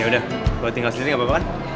ya udah kalau tinggal sendiri gak apa apa kan